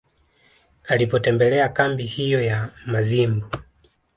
Alipotembelea kambi hiyo ya Mazimbu